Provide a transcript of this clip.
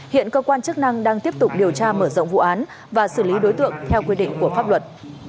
hiện cơ quan chức năng đang tiếp tục điều tra mở rộng vụ án và xử lý đối tượng theo quy định của pháp luật